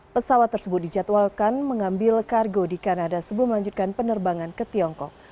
pesawat tersebut dijadwalkan mengambil kargo di kanada sebelum melanjutkan penerbangan ke tiongkok